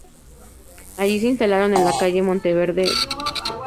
Allí se instalaron en la calle Monteverde Nro.